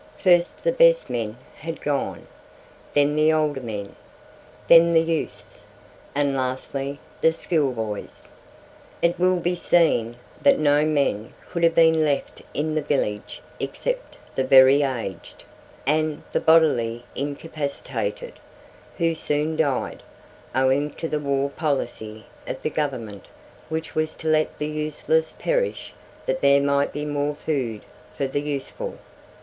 First the best men had gone, then the older men, then the youths, and lastly the school boys. It will be seen that no men could have been left in the village except the very aged, and the bodily incapacitated, who soon died, owing to the war policy of the Government which was to let the useless perish that there might be more food for the useful.